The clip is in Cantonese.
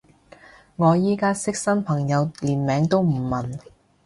我而家識新朋友連名都唔問